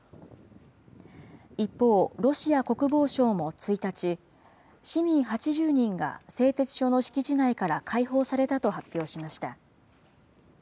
一方、ロシア国防省も１日、市民８０人が製鉄所の敷地内から解放されたと発表しました。